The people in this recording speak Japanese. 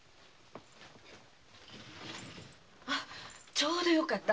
ちょうどよかった。